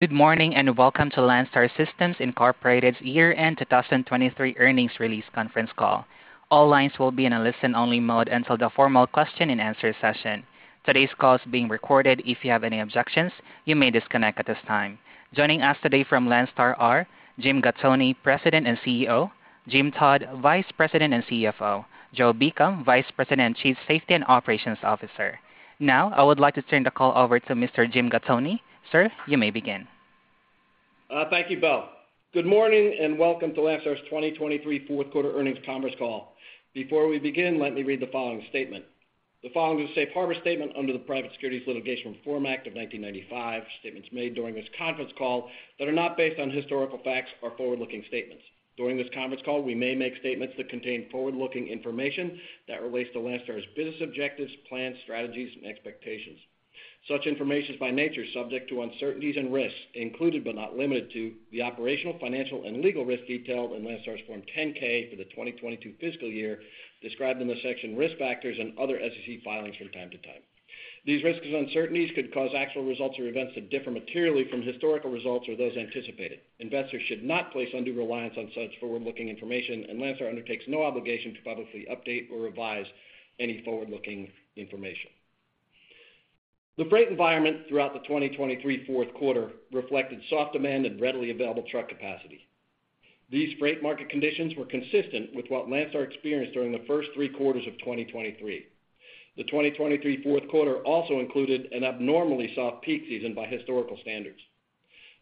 Good morning, and welcome to Landstar System, Inc.'s year-end 2023 Earnings Release Conference Call. All lines will be in a listen-only mode until the formal question-and-answer session. Today's call is being recorded. If you have any objections, you may disconnect at this time. Joining us today from Landstar are Jim Gattoni, President and CEO; Jim Todd, Vice President and CFO; Joe Beacom, Vice President and Chief Safety and Operations Officer. Now, I would like to turn the call over to Mr. Jim Gattoni. Sir, you may begin. Thank you, Belle. Good morning, and welcome to Landstar's 2023 fourth quarter earnings conference call. Before we begin, let me read the following statement. The following is a safe harbor statement under the Private Securities Litigation Reform Act of 1995. Statements made during this conference call that are not based on historical facts are forward-looking statements. During this conference call, we may make statements that contain forward-looking information that relates to Landstar's business objectives, plans, strategies, and expectations. Such information is by nature subject to uncertainties and risks, including but not limited to the operational, financial, and legal risks detailed in Landstar's Form 10-K for the 2022 fiscal year, described in the section Risk Factors and other SEC filings from time to time. These risks and uncertainties could cause actual results or events to differ materially from historical results or those anticipated. Investors should not place undue reliance on such forward-looking information, and Landstar undertakes no obligation to publicly update or revise any forward-looking information. The freight environment throughout the 2023 fourth quarter reflected soft demand and readily available truck capacity. These freight market conditions were consistent with what Landstar experienced during the first three quarters of 2023. The 2023 fourth quarter also included an abnormally soft peak season by historical standards.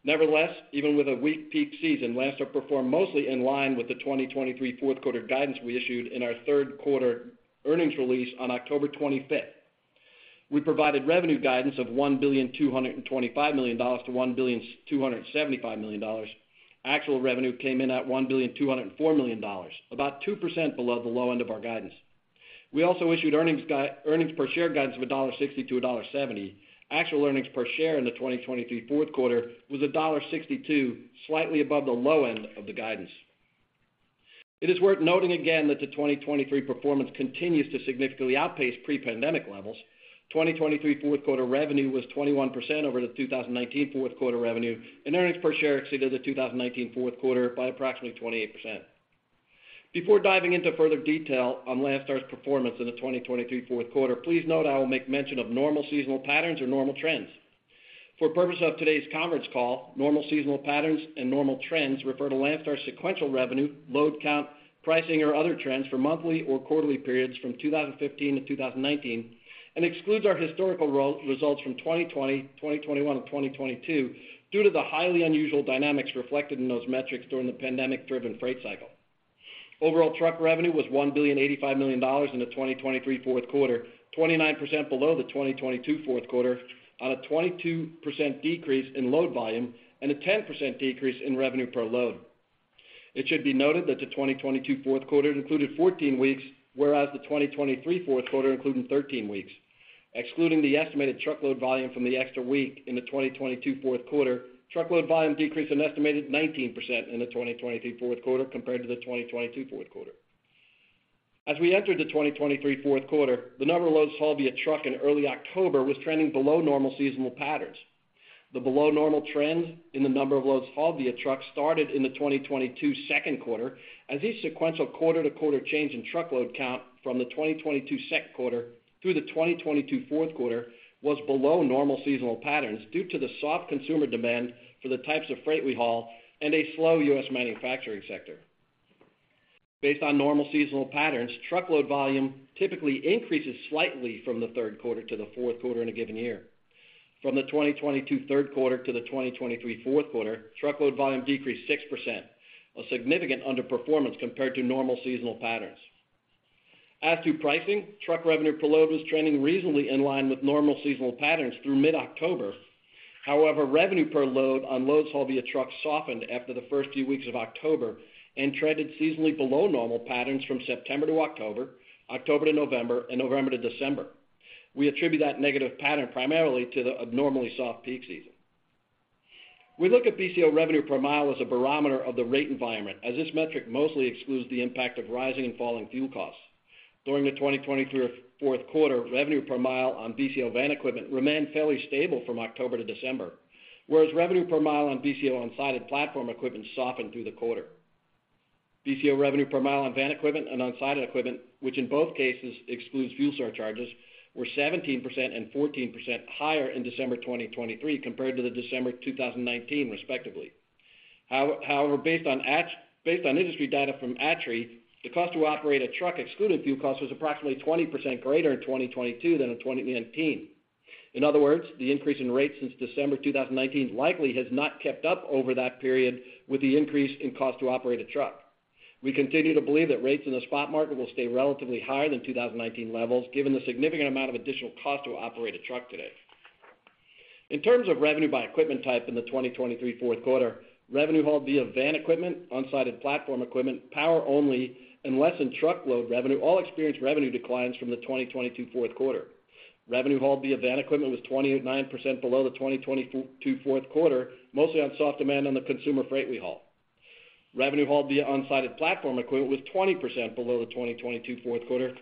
Nevertheless, even with a weak peak season, Landstar performed mostly in line with the 2023 fourth quarter guidance we issued in our third quarter earnings release on October 25th. We provided revenue guidance of $1.225 billion-$1.275 billion. Actual revenue came in at $1.204 billion, about 2% below the low end of our guidance. We also issued earnings per share guidance of $1.60-$1.70. Actual earnings per share in the 2023 fourth quarter was $1.62, slightly above the low end of the guidance. It is worth noting again that the 2023 performance continues to significantly outpace pre-pandemic levels. 2023 fourth quarter revenue was 21% over the 2019 fourth quarter revenue, and earnings per share exceeded the 2019 fourth quarter by approximately 28%. Before diving into further detail on Landstar's performance in the 2023 fourth quarter, please note I will make mention of normal seasonal patterns or normal trends. For purpose of today's conference call, normal seasonal patterns and normal trends refer to Landstar's sequential revenue, load count, pricing, or other trends for monthly or quarterly periods from 2015 to 2019, and excludes our historical results from 2020, 2021, and 2022, due to the highly unusual dynamics reflected in those metrics during the pandemic-driven freight cycle. Overall, truck revenue was $1.085 billion in the 2023 fourth quarter, 29% below the 2022 fourth quarter, on a 22% decrease in load volume and a 10% decrease in revenue per load. It should be noted that the 2022 fourth quarter included 14 weeks, whereas the 2023 fourth quarter included 13 weeks. Excluding the estimated truckload volume from the extra week in the 2022 fourth quarter, truckload volume decreased an estimated 19% in the 2023 fourth quarter compared to the 2022 fourth quarter. As we entered the 2023 fourth quarter, the number of loads hauled via truck in early October was trending below normal seasonal patterns. The below normal trend in the number of loads hauled via truck started in the 2022 second quarter, as each sequential quarter-to-quarter change in truckload count from the 2022 second quarter through the 2022 fourth quarter was below normal seasonal patterns due to the soft consumer demand for the types of freight we haul and a slow U.S. manufacturing sector. Based on normal seasonal patterns, truckload volume typically increases slightly from the third quarter to the fourth quarter in a given year. From the 2022 third quarter to the 2023 fourth quarter, truckload volume decreased 6%, a significant underperformance compared to normal seasonal patterns. As to pricing, truck revenue per load was trending reasonably in line with normal seasonal patterns through mid-October. However, revenue per load on loads hauled via truck softened after the first few weeks of October and trended seasonally below normal patterns from September to October, October to November, and November to December. We attribute that negative pattern primarily to the abnormally soft peak season. We look at BCO revenue per mile as a barometer of the rate environment, as this metric mostly excludes the impact of rising and falling fuel costs. During the 2023 fourth quarter, revenue per mile on BCO van equipment remained fairly stable from October to December, whereas revenue per mile on BCO unsided platform equipment softened through the quarter. BCO revenue per mile on van equipment and unsided equipment, which in both cases excludes fuel surcharges, were 17% and 14% higher in December 2023 compared to the December 2019, respectively. However, based on industry data from ATRI, the cost to operate a truck, excluding fuel costs, was approximately 20% greater in 2022 than in 2019. In other words, the increase in rates since December 2019 likely has not kept up over that period with the increase in cost to operate a truck. We continue to believe that rates in the spot market will stay relatively higher than 2019 levels, given the significant amount of additional cost to operate a truck today. In terms of revenue by equipment type in the 2023 fourth quarter, revenue hauled via van equipment, open-sided platform equipment, power only, and less than truckload revenue all experienced revenue declines from the 2022 fourth quarter. Revenue hauled via van equipment was 29% below the 2022 fourth quarter, mostly on soft demand on the consumer freight we haul. Revenue hauled via open-sided platform equipment was 20% below the 2022 fourth quarter,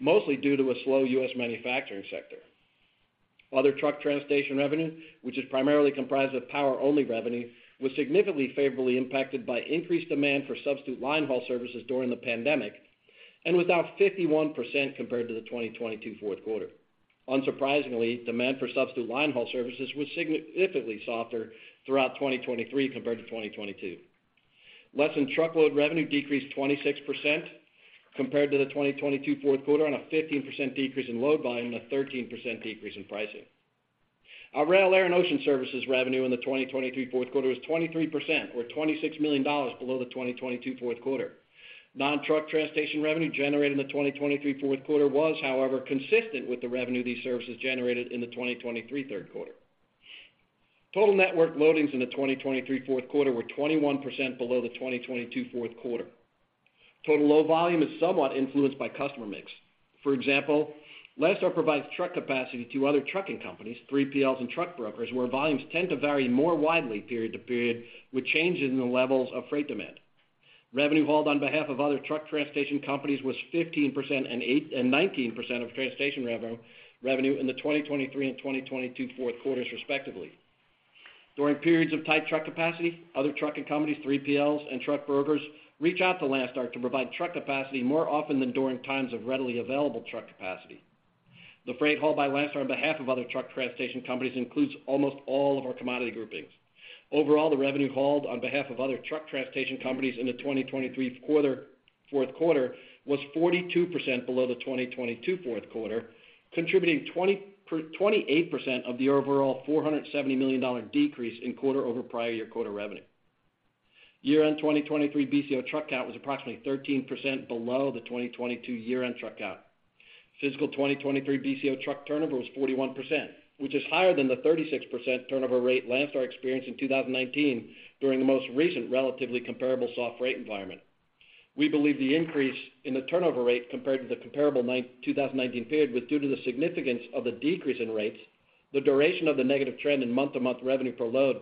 mostly due to a slow U.S. manufacturing sector. Other truck transportation revenue, which is primarily comprised of power-only revenue, was significantly favorably impacted by increased demand for substitute line haul services during the pandemic and was down 51% compared to the 2022 fourth quarter. Unsurprisingly, demand for substitute line haul services was significantly softer throughout 2023 compared to 2022. Less-than-truckload revenue decreased 26% compared to the 2022 fourth quarter on a 15% decrease in load volume and a 13% decrease in pricing. Our rail, air, and ocean services revenue in the 2023 fourth quarter was 23%, or $26 million, below the 2022 fourth quarter. Non-truck transportation revenue generated in the 2023 fourth quarter was, however, consistent with the revenue these services generated in the 2023 third quarter. Total network loadings in the 2023 fourth quarter were 21% below the 2022 fourth quarter. Total load volume is somewhat influenced by customer mix. For example, Landstar provides truck capacity to other trucking companies, 3PLs and truck brokers, where volumes tend to vary more widely period to period with changes in the levels of freight demand. Revenue hauled on behalf of other truck transportation companies was 15% and 8% and 19% of transportation revenue in the 2023 and 2022 fourth quarters, respectively. During periods of tight truck capacity, other trucking companies, 3PLs and truck brokers, reach out to Landstar to provide truck capacity more often than during times of readily available truck capacity. The freight hauled by Landstar on behalf of other truck transportation companies includes almost all of our commodity groupings. Overall, the revenue hauled on behalf of other truck transportation companies in the 2023 fourth quarter was 42% below the 2022 fourth quarter, contributing 28% of the overall $470 million decrease in quarter-over-prior-year-quarter revenue. Year-end 2023 BCO truck count was approximately 13% below the 2022 year-end truck count. Fiscal 2023 BCO truck turnover was 41%, which is higher than the 36% turnover rate Landstar experienced in 2019 during the most recent relatively comparable soft rate environment. We believe the increase in the turnover rate compared to the comparable 2019 period was due to the significance of the decrease in rates, the duration of the negative trend in month-to-month revenue per load,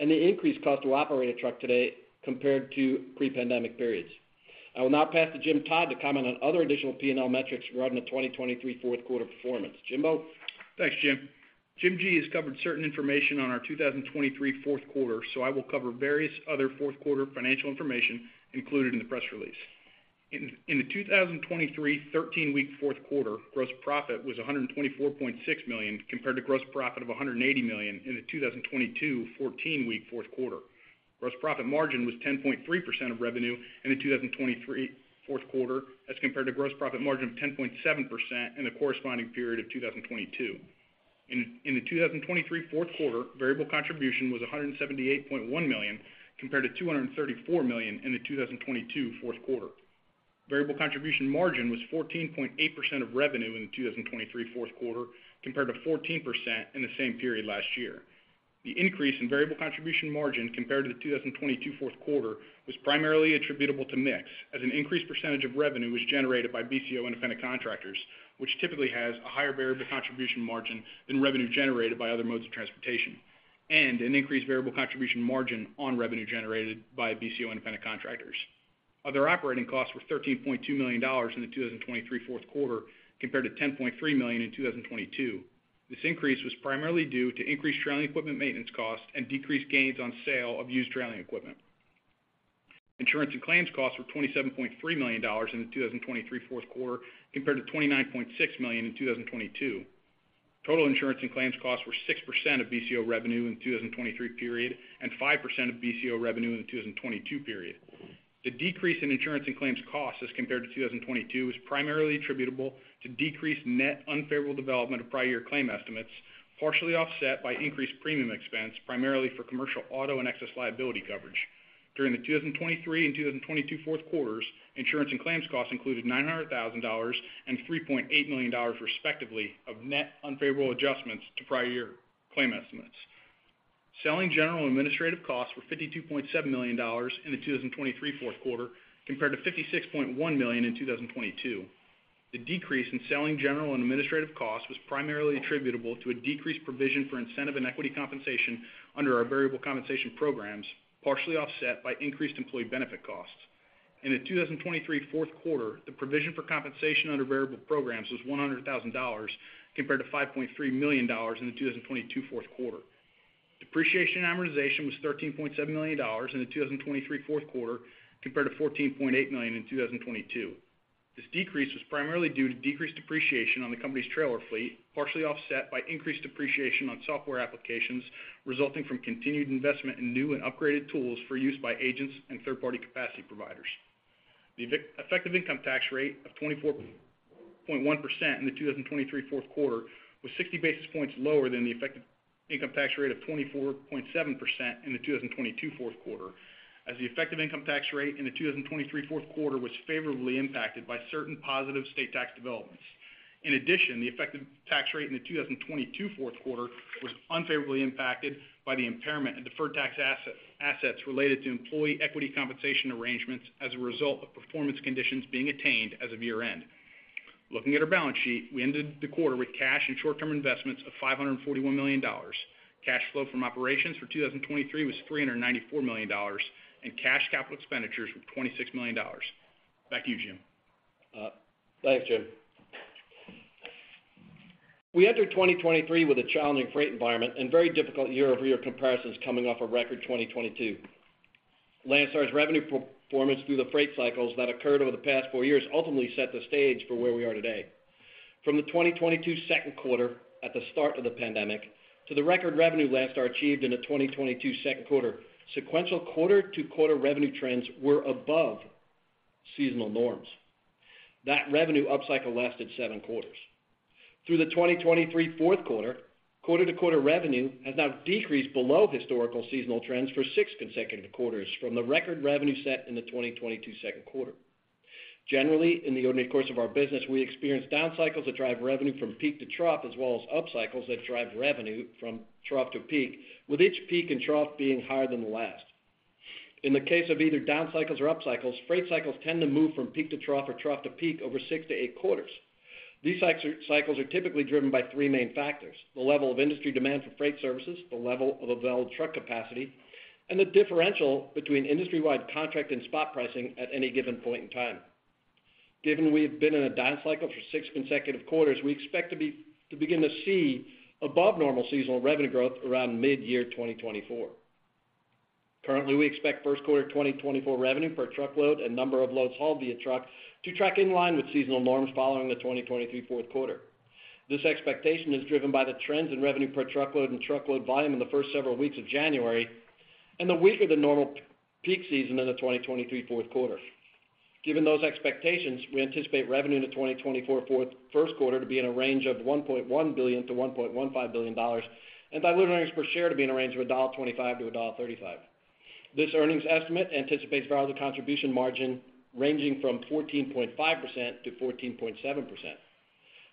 and the increased cost to operate a truck today compared to pre-pandemic periods. I will now pass to Jim Todd to comment on other additional PNL metrics regarding the 2023 fourth quarter performance. Jimbo? Thanks, Jim. Jim G. has covered certain information on our 2023 fourth quarter, so I will cover various other fourth quarter financial information included in the press release. In the 2023 13-week fourth quarter, gross profit was $124.6 million, compared to gross profit of $180 million in the 2022 14-week fourth quarter. Gross profit margin was 10.3% of revenue in the 2023 fourth quarter, as compared to gross profit margin of 10.7% in the corresponding period of 2022. In the 2023 fourth quarter, variable contribution was $178.1 million, compared to $234 million in the 2022 fourth quarter. Variable contribution margin was 14.8% of revenue in the 2023 fourth quarter, compared to 14% in the same period last year. The increase in variable contribution margin compared to the 2022 fourth quarter was primarily attributable to mix, as an increased percentage of revenue was generated by BCO independent contractors, which typically has a higher variable contribution margin than revenue generated by other modes of transportation, and an increased variable contribution margin on revenue generated by BCO independent contractors. Other operating costs were $13.2 million in the 2023 fourth quarter, compared to $10.3 million in 2022. This increase was primarily due to increased trailing equipment maintenance costs and decreased gains on sale of used trailing equipment. Insurance and claims costs were $27.3 million in the 2023 fourth quarter, compared to $29.6 million in 2022. Total insurance and claims costs were 6% of BCO revenue in the 2023 period and 5% of BCO revenue in the 2022 period. The decrease in insurance and claims costs as compared to 2022 was primarily attributable to decreased net unfavorable development of prior year claim estimates, partially offset by increased premium expense, primarily for commercial auto and excess liability coverage. During the 2023 and 2022 fourth quarters, insurance and claims costs included $900,000 and $3.8 million, respectively, of net unfavorable adjustments to prior year claim estimates. Selling, general, and administrative costs were $52.7 million in the 2023 fourth quarter, compared to $56.1 million in 2022. The decrease in selling, general, and administrative costs was primarily attributable to a decreased provision for incentive and equity compensation under our variable compensation programs, partially offset by increased employee benefit costs. In the 2023 fourth quarter, the provision for compensation under variable programs was $100,000, compared to $5.3 million in the 2022 fourth quarter. Depreciation and amortization was $13.7 million in the 2023 fourth quarter, compared to $14.8 million in 2022. This decrease was primarily due to decreased depreciation on the company's trailer fleet, partially offset by increased depreciation on software applications, resulting from continued investment in new and upgraded tools for use by agents and third-party capacity providers. The effective income tax rate of 24.1% in the 2023 fourth quarter was 60 basis points lower than the effective income tax rate of 24.7% in the 2022 fourth quarter, as the effective income tax rate in the 2023 fourth quarter was favorably impacted by certain positive state tax developments. In addition, the effective tax rate in the 2022 fourth quarter was unfavorably impacted by the impairment of deferred tax assets related to employee equity compensation arrangements as a result of performance conditions being attained as of year-end. Looking at our balance sheet, we ended the quarter with cash and short-term investments of $541 million. Cash flow from operations for 2023 was $394 million, and cash capital expenditures were $26 million. Back to you, Jim. Thanks, Jim. We entered 2023 with a challenging freight environment and very difficult year-over-year comparisons coming off a record 2022. Landstar's revenue performance through the freight cycles that occurred over the past four years ultimately set the stage for where we are today. From the 2022 second quarter, at the start of the pandemic, to the record revenue Landstar achieved in the 2022 second quarter, sequential quarter-to-quarter revenue trends were above seasonal norms. That revenue upcycle lasted seven quarters. Through the 2023 fourth quarter, quarter-to-quarter revenue has now decreased below historical seasonal trends for six consecutive quarters from the record revenue set in the 2022 second quarter. Generally, in the ordinary course of our business, we experience down cycles that drive revenue from peak to trough, as well as up cycles that drive revenue from trough to peak, with each peak and trough being higher than the last. In the case of either down cycles or up cycles, freight cycles tend to move from peak to trough or trough to peak over six to eight quarters. These cycles are typically driven by three main factors: the level of industry demand for freight services, the level of available truck capacity, and the differential between industry-wide contract and spot pricing at any given point in time. Given we have been in a down cycle for six consecutive quarters, we expect to begin to see above normal seasonal revenue growth around mid-year 2024. Currently, we expect first quarter 2024 revenue per truckload and number of loads hauled via truck to track in line with seasonal norms following the 2023 fourth quarter. This expectation is driven by the trends in revenue per truckload and truckload volume in the first several weeks of January and the weaker-than-normal peak season in the 2023 fourth quarter. Given those expectations, we anticipate revenue in the 2024 first quarter to be in a range of $1.1 billion-$1.15 billion, and diluted earnings per share to be in a range of $1.25-$1.35. This earnings estimate anticipates variable contribution margin ranging from 14.5%-14.7%.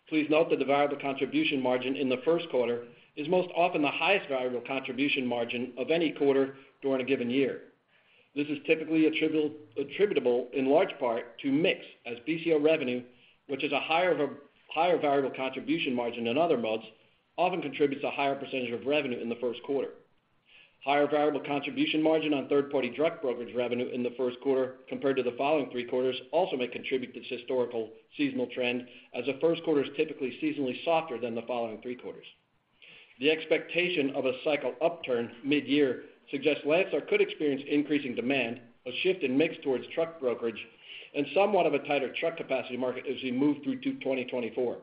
Please note that the variable contribution margin in the first quarter is most often the highest variable contribution margin of any quarter during a given year. This is typically attributable in large part to mix, as BCO revenue, which is a higher variable contribution margin than other modes, often contributes a higher percentage of revenue in the first quarter. Higher variable contribution margin on third-party truck brokerage revenue in the first quarter compared to the following three quarters also may contribute to this historical seasonal trend, as the first quarter is typically seasonally softer than the following three quarters. The expectation of a cycle upturn mid-year suggests Landstar could experience increasing demand, a shift in mix towards truck brokerage, and somewhat of a tighter truck capacity market as we move through to 2024.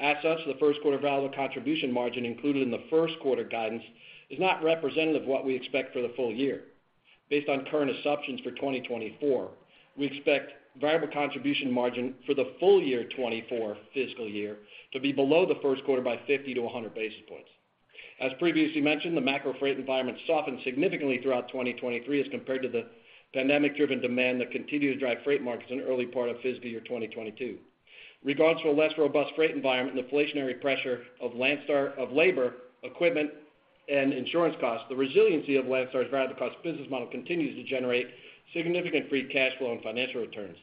As such, the first quarter variable contribution margin included in the first quarter guidance is not representative of what we expect for the full year. Based on current assumptions for 2024, we expect variable contribution margin for the full year 2024 fiscal year to be below the first quarter by 50-100 basis points. As previously mentioned, the macro freight environment softened significantly throughout 2023 as compared to the pandemic-driven demand that continued to drive freight markets in early part of fiscal year 2022. Regarding a less robust freight environment and inflationary pressure of Landstar, of labor, equipment, and insurance costs, the resiliency of Landstar's variable cost business model continues to generate significant free cash flow and financial returns.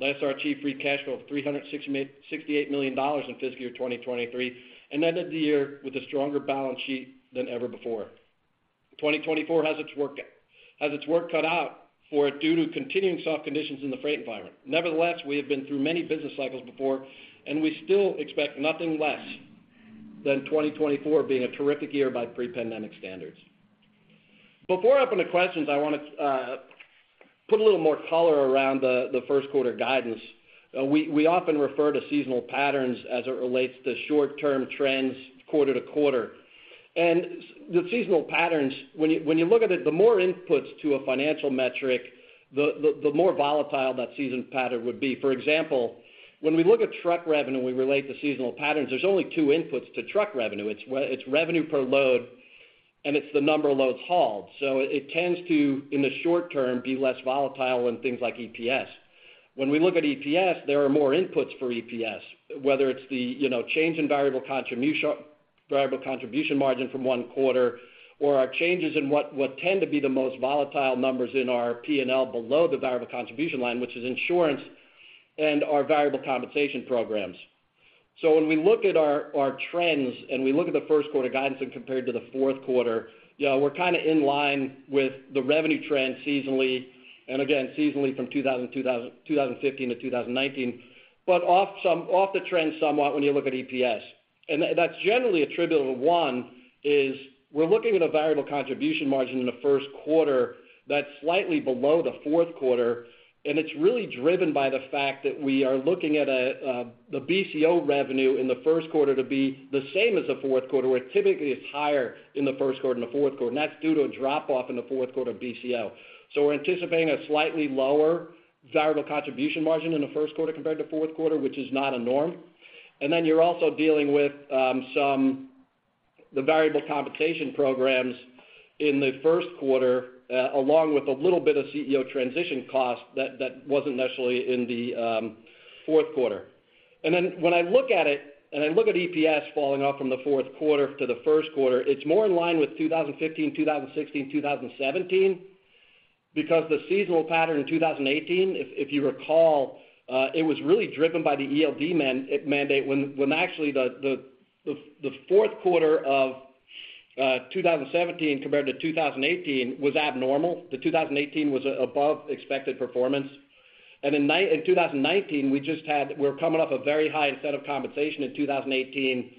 Landstar achieved free cash flow of $368 million in fiscal year 2023 and ended the year with a stronger balance sheet than ever before. 2024 has its work cut out for it due to continuing soft conditions in the freight environment. Nevertheless, we have been through many business cycles before, and we still expect nothing less than 2024 being a terrific year by pre-pandemic standards. Before I open to questions, I want to put a little more color around the first quarter guidance. We often refer to seasonal patterns as it relates to short-term trends quarter to quarter. And the seasonal patterns, when you look at it, the more inputs to a financial metric, the more volatile that seasonal pattern would be. For example, when we look at truck revenue, we relate to seasonal patterns, there's only two inputs to truck revenue. It's it's revenue per load, and it's the number of loads hauled. So it tends to, in the short term, be less volatile than things like EPS. When we look at EPS, there are more inputs for EPS, whether it's the, you know, change in variable contribution margin from one quarter, or our changes in what tend to be the most volatile numbers in our P&L below the variable contribution line, which is insurance and our variable compensation programs. So when we look at our trends and we look at the first quarter guidance and compared to the fourth quarter, yeah, we're kind of in line with the revenue trend seasonally, and again, seasonally from 2000 to 2015 to 2019, but off the trend somewhat when you look at EPS. And that, that's generally attributable to, one, is we're looking at a variable contribution margin in the first quarter that's slightly below the fourth quarter, and it's really driven by the fact that we are looking at the BCO revenue in the first quarter to be the same as the fourth quarter, where typically it's higher in the first quarter and the fourth quarter, and that's due to a drop-off in the fourth quarter BCO. So we're anticipating a slightly lower variable contribution margin in the first quarter compared to fourth quarter, which is not a norm. And then you're also dealing with some the variable compensation programs in the first quarter, along with a little bit of CEO transition cost that wasn't necessarily in the fourth quarter. And then when I look at it, and I look at EPS falling off from the fourth quarter to the first quarter, it's more in line with 2015, 2016, 2017, because the seasonal pattern in 2018, if you recall, it was really driven by the ELD mandate, when actually the fourth quarter of 2017 compared to 2018 was abnormal. The 2018 was above expected performance. In 2019, we were coming off a very high in 2018,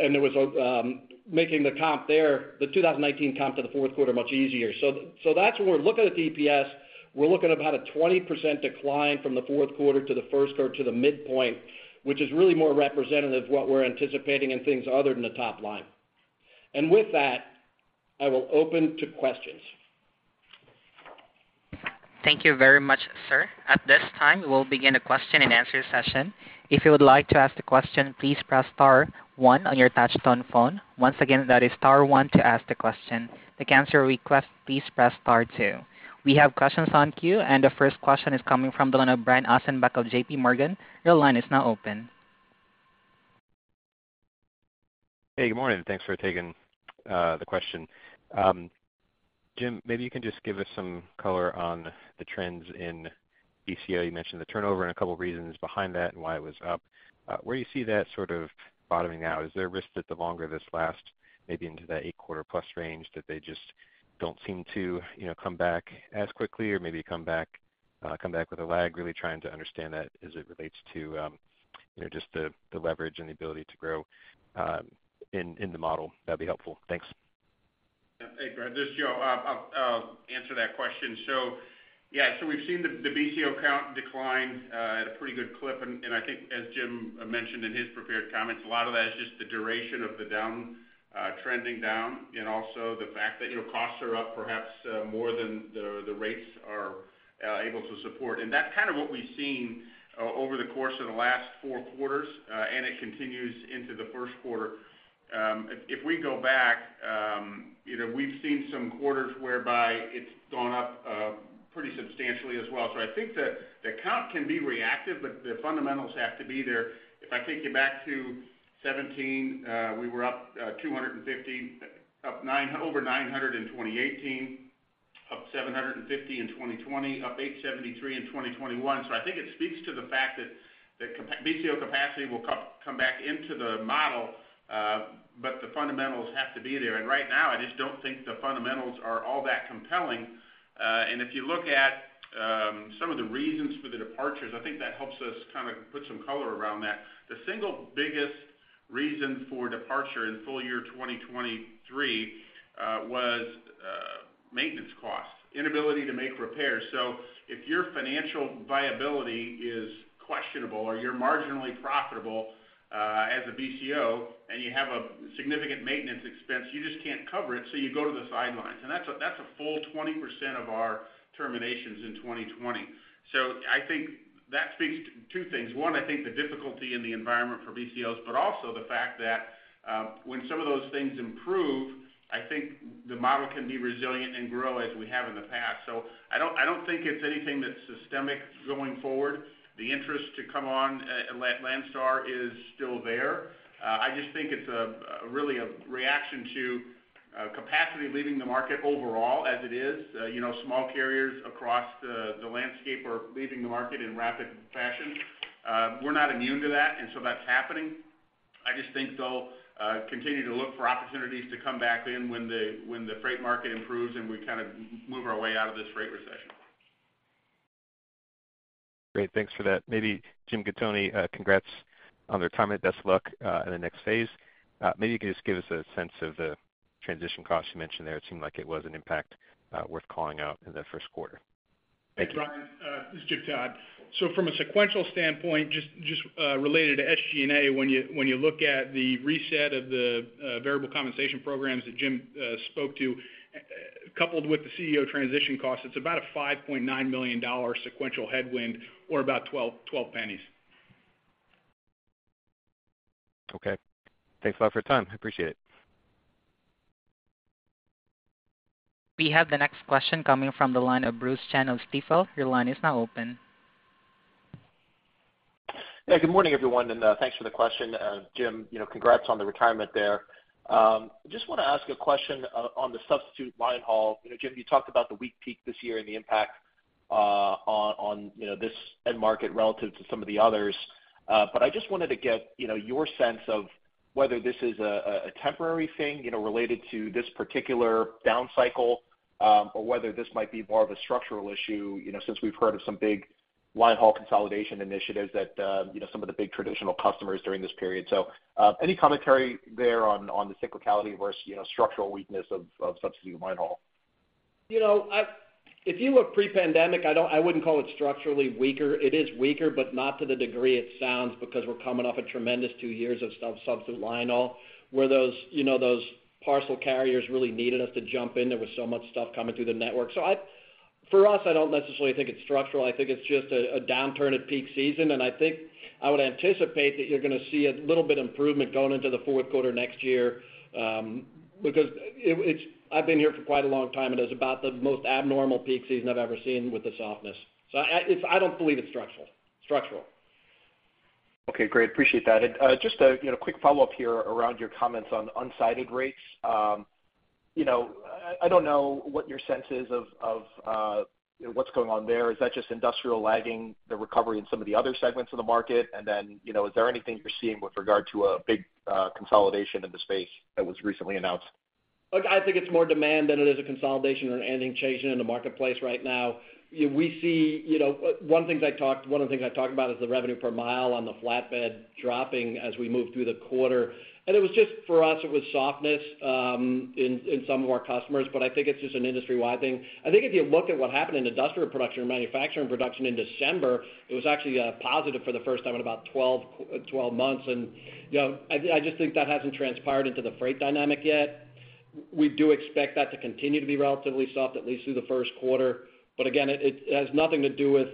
and there was making the comp there, the 2019 comp to the fourth quarter, much easier. So that's where we're looking at the EPS. We're looking at about a 20% decline from the fourth quarter to the first quarter to the midpoint, which is really more representative of what we're anticipating in things other than the top line. And with that, I will open to questions. Thank you very much, sir. At this time, we'll begin a question and answer session. If you would like to ask the question, please press star one on your touchtone phone. Once again, that is star one to ask the question. To cancel your request, please press star two. We have questions on queue, and the first question is coming from the line of Brian Ossenbeck of JP Morgan. Your line is now open. Hey, good morning, and thanks for taking the question. Jim, maybe you can just give us some color on the trends in BCO. You mentioned the turnover and a couple of reasons behind that and why it was up. Where you see that sort of bottoming out, is there a risk that the longer this lasts, maybe into that eight-quarter plus range, that they just don't seem to, you know, come back as quickly or maybe come back, come back with a lag? Really trying to understand that as it relates to, you know, just the, the leverage and the ability to grow, in, in the model. That'd be helpful. Thanks. Hey, Brian, this is Joe. I'll answer that question. So yeah, so we've seen the BCO count decline at a pretty good clip, and I think, as Jim mentioned in his prepared comments, a lot of that is just the duration of the down trending down, and also the fact that, you know, costs are up perhaps more than the rates are able to support. And that's kind of what we've seen over the course of the last four quarters, and it continues into the first quarter. If we go back, you know, we've seen some quarters whereby it's gone up pretty substantially as well. So I think the count can be reactive, but the fundamentals have to be there. If I take you back to 2017, we were up 250, up over 900 in 2018, up 750 in 2020, up 873 in 2021. So I think it speaks to the fact that BCO capacity will come back into the model, but the fundamentals have to be there. And right now, I just don't think the fundamentals are all that compelling. And if you look at some of the reasons for the departures, I think that helps us kind of put some color around that. The single biggest reason for departure in full year 2023 was maintenance costs, inability to make repairs. So if your financial viability is questionable or you're marginally profitable, as a BCO and you have a significant maintenance expense, you just can't cover it, so you go to the sidelines. And that's a, that's a full 20% of our terminations in 2020. So I think that speaks to two things. One, I think the difficulty in the environment for BCOs, but also the fact that, when some of those things improve, I think the model can be resilient and grow as we have in the past. So I don't, I don't think it's anything that's systemic going forward. The interest to come on, at, at Landstar is still there. I just think it's a, really a reaction to, capacity leaving the market overall as it is. You know, small carriers across the landscape are leaving the market in rapid fashion. We're not immune to that, and so that's happening. I just think they'll continue to look for opportunities to come back in when the freight market improves and we kind of move our way out of this freight recession. Great. Thanks for that. Maybe Jim Gattoni, congrats on retirement. Best luck in the next phase. Maybe you could just give us a sense of the transition costs you mentioned there. It seemed like it was an impact, worth calling out in the first quarter. Thank you. Thanks, Brian. This is Jim Todd. So from a sequential standpoint, just related to SG&A, when you look at the reset of the variable compensation programs that Jim spoke to, coupled with the CEO transition costs, it's about a $5.9 million sequential headwind or about $0.12. Okay. Thanks a lot for your time. I appreciate it. We have the next question coming from the line of Bruce Chan of Stifel. Your line is now open. Yeah, good morning, everyone, and thanks for the question. Jim, you know, congrats on the retirement there. Just want to ask a question on the substitute linehaul. You know, Jim, you talked about the weak peak this year and the impact on, you know, this end market relative to some of the others. But I just wanted to get, you know, your sense of whether this is a temporary thing, you know, related to this particular down cycle, or whether this might be more of a structural issue, you know, since we've heard of some big linehaul consolidation initiatives that, you know, some of the big traditional customers during this period. So, any commentary there on the cyclicality versus, you know, structural weakness of substitute linehaul? You know, if you look pre-pandemic, I don't, I wouldn't call it structurally weaker. It is weaker, but not to the degree it sounds, because we're coming off a tremendous two years of substitute linehaul, where those, you know, those parcel carriers really needed us to jump in. There was so much stuff coming through the network. So for us, I don't necessarily think it's structural. I think it's just a downturn at peak season, and I think I would anticipate that you're going to see a little bit improvement going into the fourth quarter next year, because it, it's... I've been here for quite a long time, and it's about the most abnormal peak season I've ever seen with the softness. So I, it's I don't believe it's structural, structural.... Okay, great. Appreciate that. And, just a, you know, quick follow-up here around your comments on unsided rates. You know, I don't know what your sense is of you know, what's going on there. Is that just industrial lagging the recovery in some of the other segments of the market? And then, you know, is there anything you're seeing with regard to a big consolidation in the space that was recently announced? Look, I think it's more demand than it is a consolidation or an ending change in the marketplace right now. Yeah, we see, you know, one of the things I talked about is the revenue per mile on the flatbed dropping as we move through the quarter. And it was just, for us, it was softness in some of our customers, but I think it's just an industry-wide thing. I think if you look at what happened in industrial production and manufacturing production in December, it was actually positive for the first time in about 12 months. And, you know, I just think that hasn't transpired into the freight dynamic yet. We do expect that to continue to be relatively soft, at least through the first quarter. But again, it has nothing to do with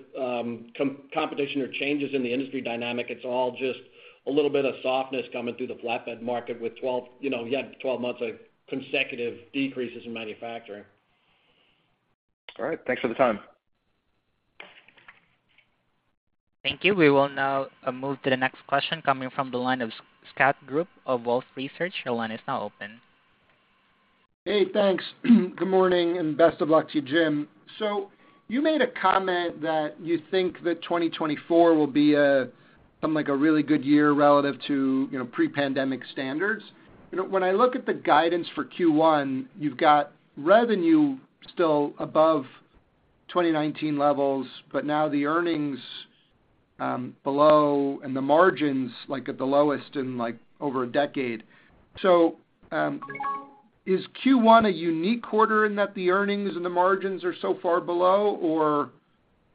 competition or changes in the industry dynamic. It's all just a little bit of softness coming through the flatbed market with 12, you know, you had 12 months of consecutive decreases in manufacturing. All right. Thanks for the time. Thank you. We will now move to the next question coming from the line of Scott Group of Wolfe Research. Your line is now open. Hey, thanks. Good morning, and best of luck to you, Jim. So you made a comment that you think that 2024 will be a, something like a really good year relative to, you know, pre-pandemic standards. You know, when I look at the guidance for Q1, you've got revenue still above 2019 levels, but now the earnings, below, and the margins, like, at the lowest in, like, over a decade. So, is Q1 a unique quarter in that the earnings and the margins are so far below? Or,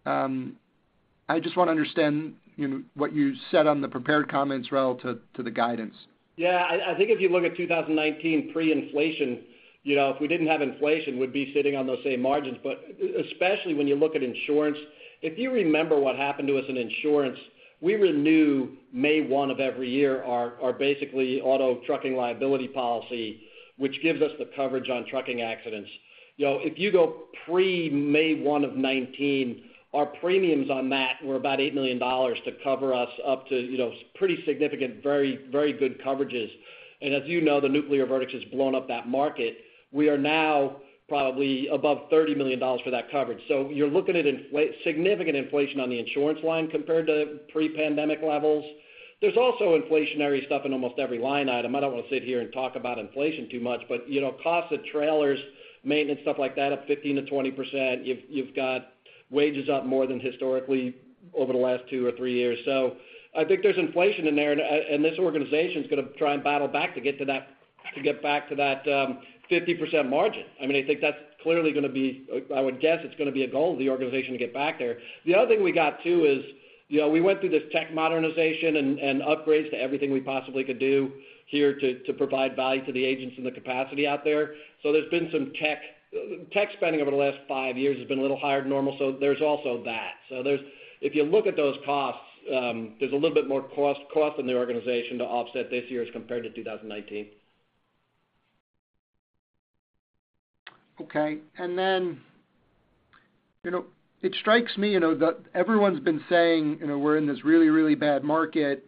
I just want to understand, you know, what you said on the prepared comments relative to the guidance. Yeah, I think if you look at 2019 pre-inflation, you know, if we didn't have inflation, we'd be sitting on those same margins. But especially when you look at insurance, if you remember what happened to us in insurance, we renew May 1 of every year, our basically auto trucking liability policy, which gives us the coverage on trucking accidents. You know, if you go pre-May 1 of 2019, our premiums on that were about $8 million to cover us up to, you know, pretty significant, very, very good coverages. And as you know, the nuclear verdict has blown up that market. We are now probably above $30 million for that coverage. So you're looking at significant inflation on the insurance line compared to pre-pandemic levels. There's also inflationary stuff in almost every line item. I don't want to sit here and talk about inflation too much, but, you know, cost of trailers, maintenance, stuff like that, up 15%-20%. You've, you've got wages up more than historically over the last two or three years. So I think there's inflation in there, and, and this organization is going to try and battle back to get to that, to get back to that, 50% margin. I mean, I think that's clearly going to be, I would guess it's going to be a goal of the organization to get back there. The other thing we got, too, is, you know, we went through this tech modernization and, and upgrades to everything we possibly could do here to, to provide value to the agents and the capacity out there. So there's been some tech spending over the last five years has been a little higher than normal, so there's also that. So if you look at those costs, there's a little bit more cost in the organization to offset this year as compared to 2019. Okay. And then, you know, it strikes me, you know, that everyone's been saying, you know, we're in this really, really bad market,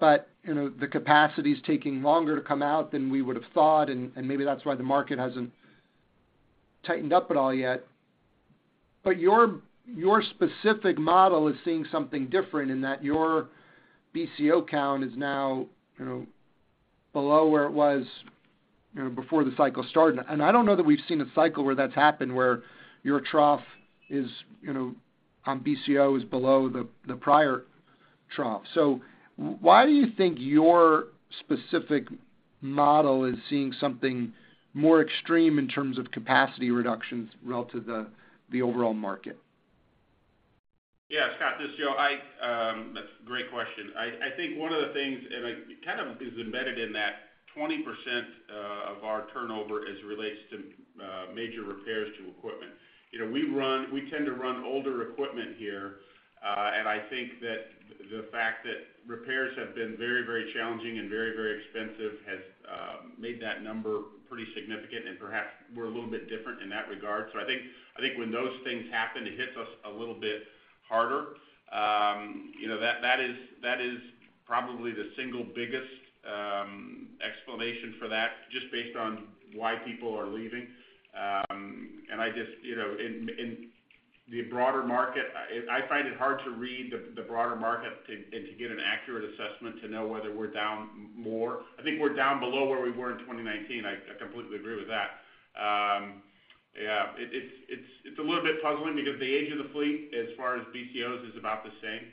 but, you know, the capacity is taking longer to come out than we would have thought, and maybe that's why the market hasn't tightened up at all yet. But your specific model is seeing something different in that your BCO count is now, you know, below where it was, you know, before the cycle started. And I don't know that we've seen a cycle where that's happened, where your trough is, you know, on BCO is below the prior trough. So why do you think your specific model is seeing something more extreme in terms of capacity reductions relative to the overall market? Yeah, Scott, this is Joe. I, that's a great question. I, I think one of the things, and it kind of is embedded in that 20% of our turnover as it relates to major repairs to equipment. You know, we run—we tend to run older equipment here, and I think that the fact that repairs have been very, very challenging and very, very expensive has made that number pretty significant, and perhaps we're a little bit different in that regard. So I think, I think when those things happen, it hits us a little bit harder. You know, that, that is, that is probably the single biggest explanation for that, just based on why people are leaving. And I just, you know, in, in the broader market, I, I find it hard to read the, the broader market to... To get an accurate assessment to know whether we're down more. I think we're down below where we were in 2019. I completely agree with that. Yeah, it's a little bit puzzling because the age of the fleet, as far as BCOs, is about the same.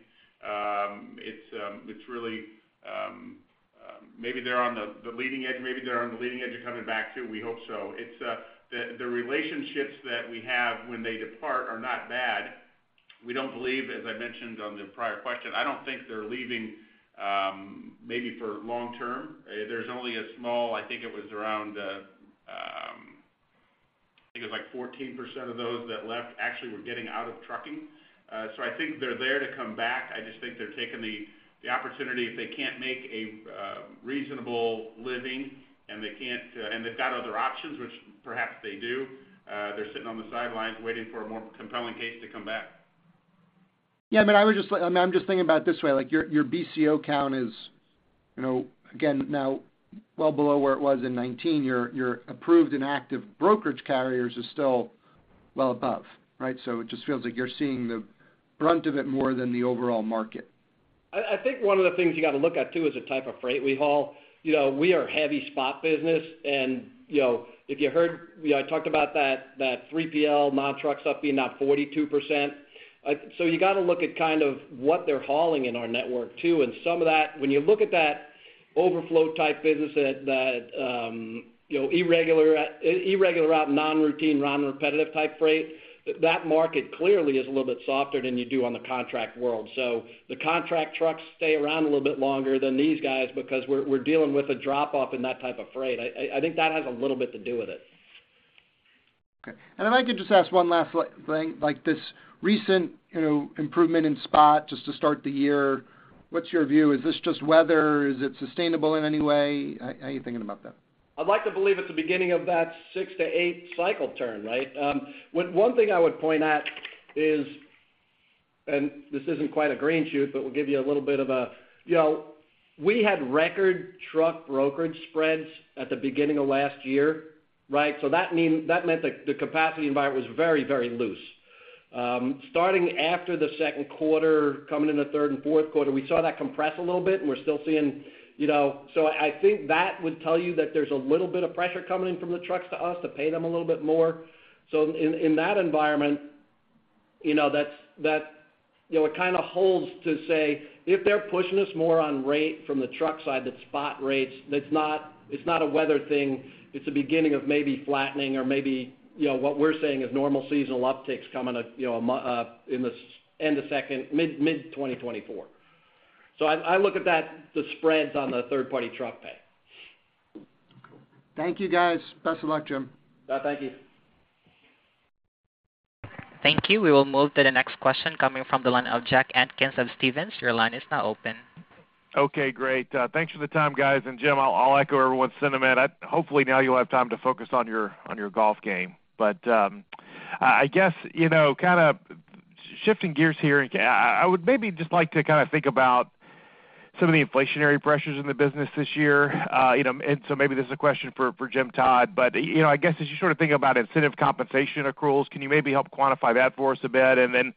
Maybe they're on the leading edge of coming back to. We hope so. The relationships that we have when they depart are not bad. We don't believe, as I mentioned on the prior question, I don't think they're leaving, maybe for long term. There's only a small, I think it was around, I think it was like 14% of those that left actually were getting out of trucking. So I think they're there to come back. I just think they're taking the opportunity if they can't make a reasonable living, and they can't, and they've got other options, which perhaps they do. They're sitting on the sidelines waiting for a more compelling case to come back. Yeah, but I would just like, I'm just thinking about it this way, like, your, your BCO count is, you know, again, now well below where it was in 2019. Your, your approved and active brokerage carriers is still well above, right? So it just feels like you're seeing the brunt of it more than the overall market. I think one of the things you got to look at, too, is the type of freight we haul. You know, we are heavy spot business, and, you know, if you heard, you know, I talked about that, that 3PL non-truck stuff being up 42%. So you got to look at kind of what they're hauling in our network, too. And some of that, when you look at that overflow type business, that, you know, irregular route, non-routine, non-repetitive type freight, that market clearly is a little bit softer than you do on the contract world. So the contract trucks stay around a little bit longer than these guys because we're dealing with a drop-off in that type of freight. I think that has a little bit to do with it. Okay. If I could just ask one last thing, like, this recent, you know, improvement in spot, just to start the year, what's your view? Is this just weather? Is it sustainable in any way? How are you thinking about that? I'd like to believe it's the beginning of that six-eight cycle turn, right? One thing I would point at is, and this isn't quite a green shoot, but we'll give you a little bit of a... You know, we had record truck brokerage spreads at the beginning of last year, right? So that meant the capacity environment was very, very loose. Starting after the second quarter, coming into the third and fourth quarter, we saw that compress a little bit, and we're still seeing, you know... So I think that would tell you that there's a little bit of pressure coming in from the trucks to us to pay them a little bit more. So in that environment, you know, that's, you know, it kind of holds to say, if they're pushing us more on rate from the truck side, that spot rates, it's not, it's not a weather thing, it's a beginning of maybe flattening or maybe, you know, what we're seeing is normal seasonal upticks coming at, you know, in the end of second, mid-2024. So I look at that, the spreads on the third-party truck pay. Cool. Thank you, guys. Best of luck, Jim. Thank you. Thank you. We will move to the next question coming from the line of Jack Atkins of Stephens. Your line is now open. Okay, great. Thanks for the time, guys, and Jim, I'll echo everyone. Send them in. Hopefully, now you'll have time to focus on your golf game. But, I guess, you know, kind of shifting gears here, I would maybe just like to kind of think about some of the inflationary pressures in the business this year. You know, and so maybe this is a question for Jim Todd. But, you know, I guess, as you sort of think about incentive compensation accruals, can you maybe help quantify that for us a bit? And then,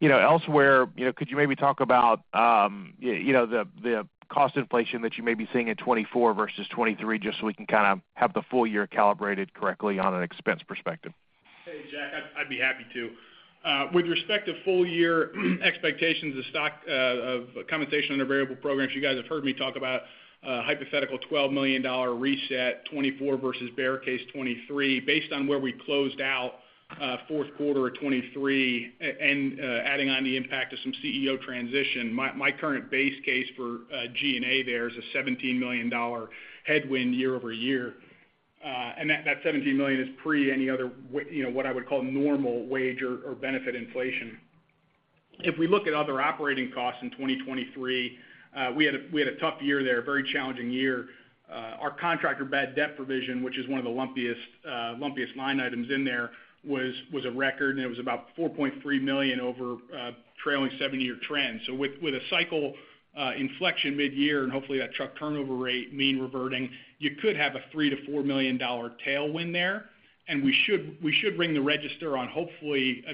you know, elsewhere, you know, could you maybe talk about the cost inflation that you may be seeing in 2024 versus 2023, just so we can kind of have the full year calibrated correctly on an expense perspective? Hey, Jack, I'd be happy to. With respect to full year expectations, the stock of compensation under variable programs, you guys have heard me talk about hypothetical $12 million reset, 2024 versus bear case 2023, based on where we closed out fourth quarter of 2023, and adding on the impact of some CEO transition. My current base case for SG&A there is a $17 million headwind year-over-year. And that $17 million is pre any other, you know, what I would call normal wage or benefit inflation. If we look at other operating costs in 2023, we had a tough year there, a very challenging year. Our contractor bad debt provision, which is one of the lumpiest line items in there, was a record, and it was about $4.3 million over trailing seven-year trends. So with a cycle inflection mid-year, and hopefully, that truck turnover rate mean reverting, you could have a $3-$4 million tailwind there, and we should ring the register on, hopefully,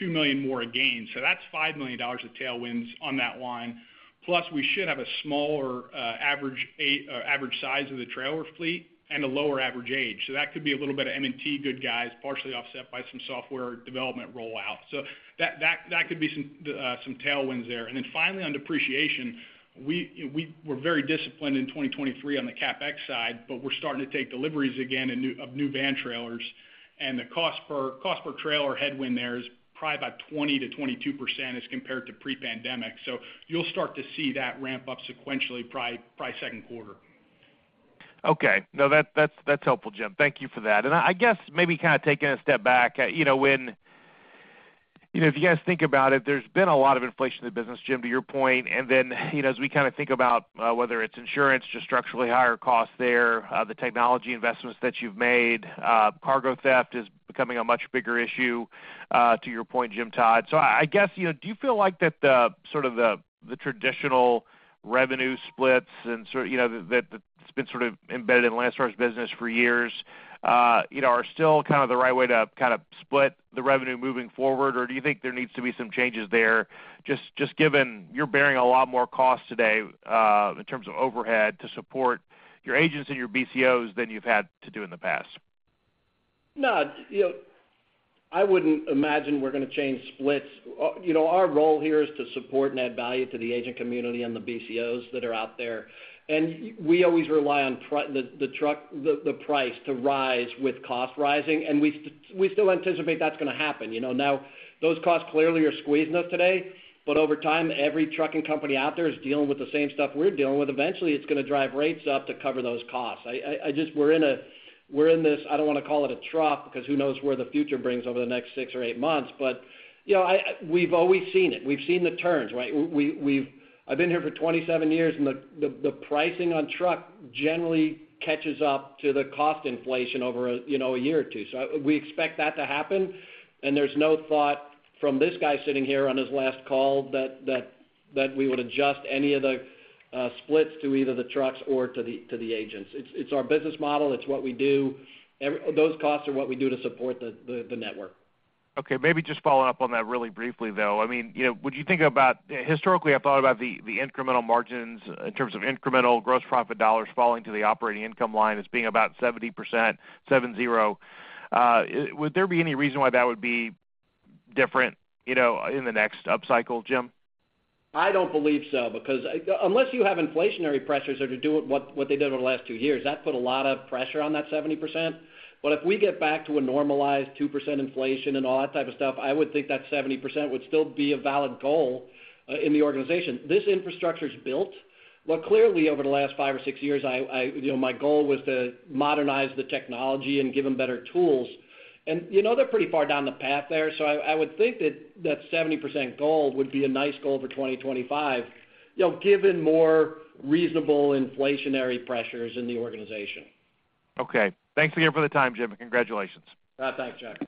$2 million more again. So that's $5 million of tailwinds on that line. Plus, we should have a smaller average size of the trailer fleet and a lower average age. So that could be a little bit of M&T, good guys, partially offset by some software development rollout. So that could be some tailwinds there. Then finally, on depreciation, we were very disciplined in 2023 on the CapEx side, but we're starting to take deliveries again in new van trailers. And the cost per trailer headwind there is probably about 20%-22% as compared to pre-pandemic. So you'll start to see that ramp up sequentially, probably second quarter. Okay. No, that's helpful, Jim. Thank you for that. And I guess maybe kind of taking a step back, you know. You know, if you guys think about it, there's been a lot of inflation in the business, Jim, to your point. And then, you know, as we kind of think about whether it's insurance, just structurally higher costs there, the technology investments that you've made, cargo theft is becoming a much bigger issue, to your point, Jim Todd. So I guess, you know, do you feel like the sort of the traditional revenue splits and sort of, you know, that's been sort of embedded in Landstar's business for years, you know, are still kind of the right way to kind of split the revenue moving forward? Or do you think there needs to be some changes there, just, just given you're bearing a lot more costs today, in terms of overhead, to support your agents and your BCOs than you've had to do in the past? No, you know, I wouldn't imagine we're going to change splits. You know, our role here is to support and add value to the agent community and the BCOs that are out there. And we always rely on the truck, the price to rise with cost rising, and we still anticipate that's going to happen. You know, now, those costs clearly are squeezing us today, but over time, every trucking company out there is dealing with the same stuff we're dealing with. Eventually, it's going to drive rates up to cover those costs. I just... We're in this, I don't want to call it a trough, because who knows where the future brings over the next six or eight months, but, you know, we've always seen it. We've seen the turns, right? We've been here for 27 years, and the pricing on truck generally catches up to the cost inflation over a, you know, a year or two. So we expect that to happen, and there's no thought from this guy sitting here on his last call that we would adjust any of the splits to either the trucks or to the agents. It's our business model. It's what we do. Those costs are what we do to support the network. Okay, maybe just following up on that really briefly, though. I mean, you know, would you think about, historically, I've thought about the incremental margins in terms of incremental gross profit dollars falling to the operating income line as being about 70%, seven zero. Would there be any reason why that would be different, you know, in the next upcycle, Jim? I don't believe so, because unless you have inflationary pressures there to do what they did over the last two years, that put a lot of pressure on that 70%. But if we get back to a normalized 2% inflation and all that type of stuff, I would think that 70% would still be a valid goal in the organization. This infrastructure is built. But clearly, over the last five or six years, I you know, my goal was to modernize the technology and give them better tools, and you know, they're pretty far down the path there. So I would think that that 70% goal would be a nice goal for 2025, you know, given more reasonable inflationary pressures in the organization. Okay. Thanks again for the time, Jim, and congratulations. Thanks, Jack.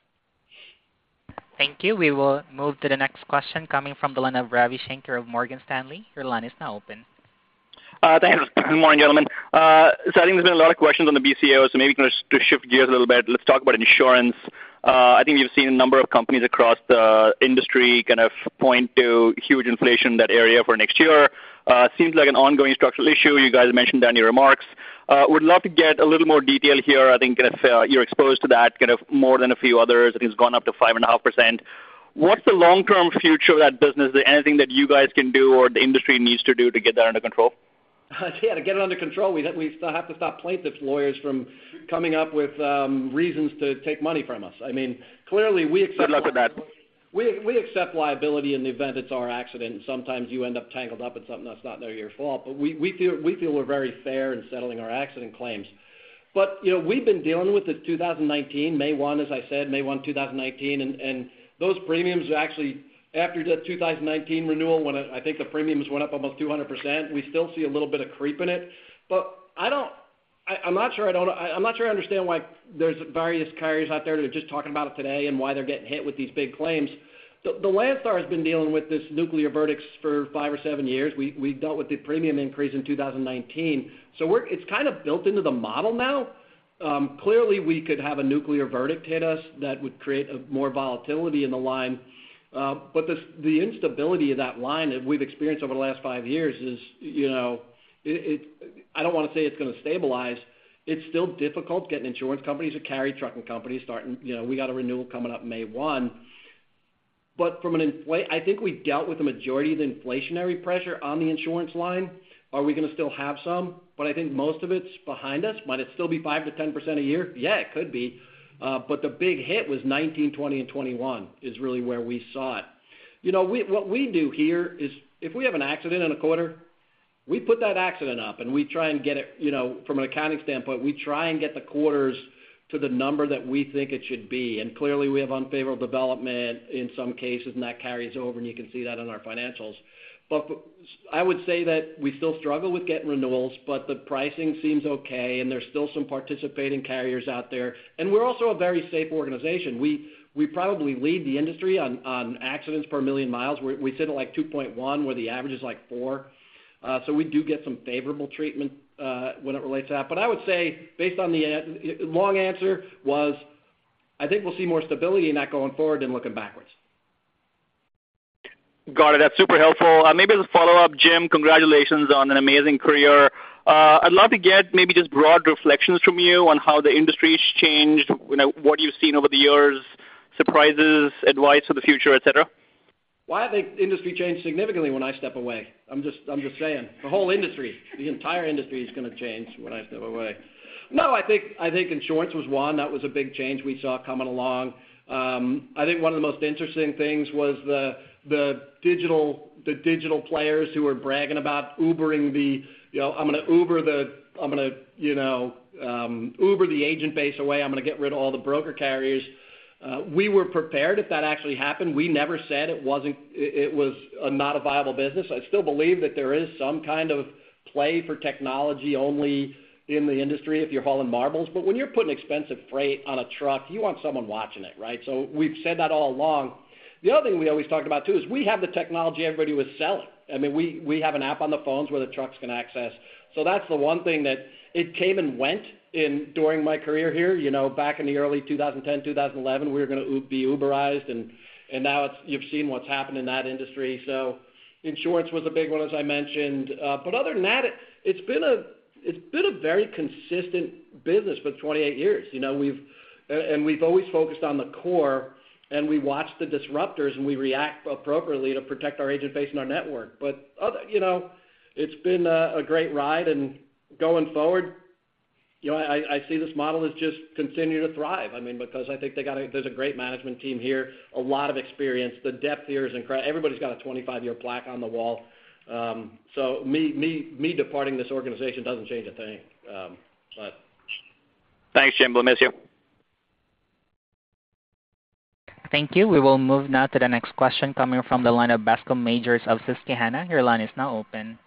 Thank you. We will move to the next question coming from the line of Ravi Shanker of Morgan Stanley. Your line is now open. Thanks. Good morning, gentlemen. So I think there's been a lot of questions on the BCO, so maybe kind of to shift gears a little bit, let's talk about insurance. I think we've seen a number of companies across the industry kind of point to huge inflation in that area for next year. Seems like an ongoing structural issue. You guys mentioned that in your remarks. Would love to get a little more detail here. I think if you're exposed to that, kind of more than a few others, I think it's gone up to 5.5%. What's the long-term future of that business? Is there anything that you guys can do or the industry needs to do to get that under control? Yeah, to get it under control, we have, we have to stop plaintiffs' lawyers from coming up with reasons to take money from us. I mean, clearly, we accept- Good luck with that. We accept liability in the event it's our accident, and sometimes you end up tangled up in something that's not really your fault. But we feel we're very fair in settling our accident claims. But, you know, we've been dealing with the 2019, May 1, as I said, May 1, 2019, and those premiums are actually after the 2019 renewal, when I think the premiums went up almost 200%. We still see a little bit of creep in it, but I'm not sure. I'm not sure I understand why there's various carriers out there that are just talking about it today and why they're getting hit with these big claims. Landstar has been dealing with this Nuclear Verdicts for five or seven years. We've dealt with the premium increase in 2019, so it's kind of built into the model now. Clearly, we could have a nuclear verdict hit us that would create more volatility in the line. But the instability of that line that we've experienced over the last five years is, you know, it, I don't want to say it's going to stabilize. It's still difficult getting insurance companies to carry trucking companies starting... You know, we got a renewal coming up May 1. But from an inflationary I think we've dealt with the majority of the inflationary pressure on the insurance line. Are we going to still have some? But I think most of it's behind us. Might it still be 5%-10% a year? Yeah, it could be. But the big hit was 2019, 2020, and 2021, is really where we saw it. You know, what we do here is if we have an accident in a quarter, we put that accident up, and we try and get it, you know, from an accounting standpoint, we try and get the quarters to the number that we think it should be. And clearly, we have unfavorable development in some cases, and that carries over, and you can see that in our financials. But I would say that we still struggle with getting renewals, but the pricing seems okay, and there's still some participating carriers out there. And we're also a very safe organization. We probably lead the industry on accidents per million miles, where we sit at, like, 2.1, where the average is, like, four. So we do get some favorable treatment, when it relates to that. But I would say, based on the long answer was, I think we'll see more stability in that going forward than looking backwards. Got it. That's super helpful. Maybe as a follow-up, Jim, congratulations on an amazing career. I'd love to get maybe just broad reflections from you on how the industry's changed, you know, what you've seen over the years, surprises, advice for the future, et cetera. Well, I think the industry changed significantly when I step away. I'm just saying, the whole industry, the entire industry is going to change when I step away. No, I think insurance was one. That was a big change we saw coming along. I think one of the most interesting things was the digital players who were bragging about Ubering the... You know, I'm going to Uber the agent base away. I'm going to get rid of all the broker carriers. We were prepared if that actually happened. We never said it wasn't a viable business. I still believe that there is some kind of play for technology only in the industry if you're hauling marbles. But when you're putting expensive freight on a truck, you want someone watching it, right? So we've said that all along. The other thing we always talked about, too, is we have the technology everybody was selling. I mean, we, we have an app on the phones where the trucks can access. So that's the one thing that it came and went in during my career here. You know, back in the early 2010, 2011, we were going to be Uberized, and, and now it's, you've seen what's happened in that industry. So insurance was a big one, as I mentioned. But other than that, it's been a, it's been a very consistent business for 28 years. You know, we've... We've always focused on the core, and we watch the disruptors, and we react appropriately to protect our agent base and our network. But, you know, it's been a great ride, and going forward, you know, I see this model as just continuing to thrive. I mean, because I think they got a—there's a great management team here, a lot of experience. The depth here is incredible. Everybody's got a 25-year plaque on the wall. So, me departing this organization doesn't change a thing. But- Thanks, Jim. We'll miss you. Thank you. We will move now to the next question coming from the line of Bascome Majors of Susquehanna. Your line is now open. ...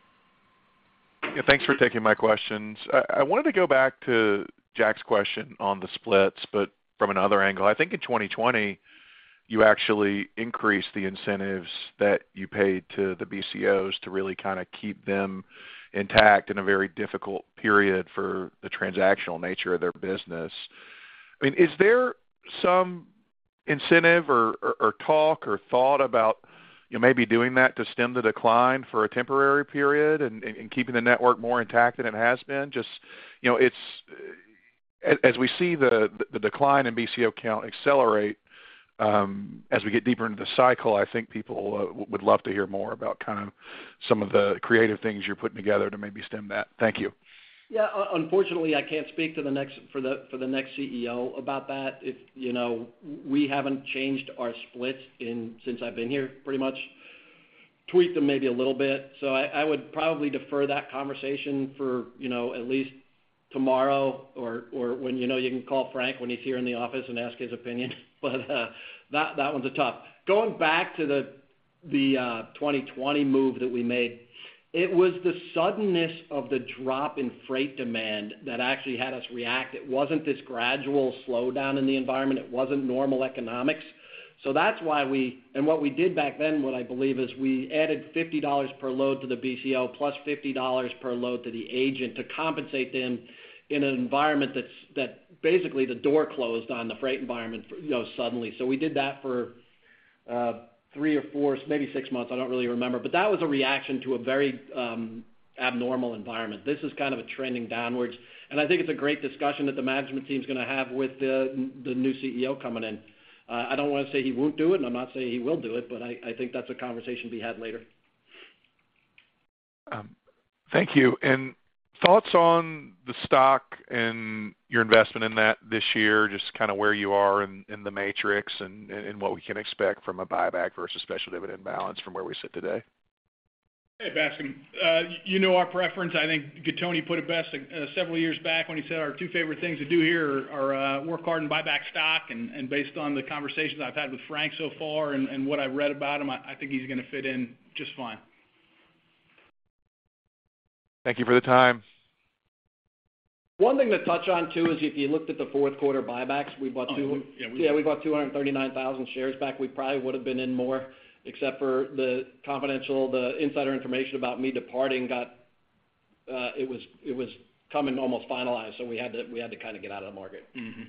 Yeah, thanks for taking my questions. I wanted to go back to Jack's question on the splits, but from another angle. I think in 2020, you actually increased the incentives that you paid to the BCOs to really kind of keep them intact in a very difficult period for the transactional nature of their business. I mean, is there some incentive or talk or thought about, you know, maybe doing that to stem the decline for a temporary period and keeping the network more intact than it has been? Just, you know, as we see the decline in BCO count accelerate as we get deeper into the cycle, I think people would love to hear more about kind of some of the creative things you're putting together to maybe stem that. Thank you. Yeah, unfortunately, I can't speak to the next—for the next CEO about that. If, you know, we haven't changed our splits since I've been here, pretty much. Tweaked them maybe a little bit. So I would probably defer that conversation for, you know, at least tomorrow or when, you know, you can call Frank when he's here in the office and ask his opinion. But that one's a tough. Going back to the 2020 move that we made, it was the suddenness of the drop in freight demand that actually had us react. It wasn't this gradual slowdown in the environment. It wasn't normal economics. So that's why we... What we did back then, what I believe, is we added $50 per load to the BCO, plus $50 per load to the agent to compensate them in an environment that's, that basically, the door closed on the freight environment, you know, suddenly. We did that for three or four, maybe six months, I don't really remember. That was a reaction to a very abnormal environment. This is kind of a trending downwards, and I think it's a great discussion that the management team's going to have with the new CEO coming in. I don't want to say he won't do it, and I'm not saying he will do it, but I think that's a conversation to be had later. Thank you. And thoughts on the stock and your investment in that this year, just kind of where you are in the matrix and what we can expect from a buyback versus special dividend balance from where we sit today? Hey, Bascome. You know our preference. I think Gattoni put it best, several years back when he said our two favorite things to do here are, work hard and buy back stock, and based on the conversations I've had with Frank so far and what I've read about him, I think he's going to fit in just fine. Thank you for the time. One thing to touch on, too, is if you looked at the fourth quarter buybacks, we bought two- Oh, yeah. Yeah, we bought 239,000 shares back. We probably would have been in more, except for the confidential, the insider information about me departing got. It was, it was coming, almost finalized, so we had to, we had to kind of get out of the market. Mm-hmm.